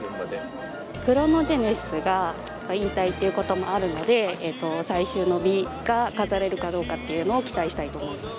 クロノジェネシスが引退っていうこともあるので最終の美が飾れるかどうかっていうのを期待したいと思います。